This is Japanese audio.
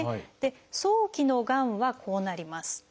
早期のがんはこうなります。